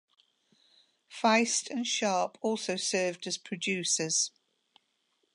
Feist and Sharpe also served as producers.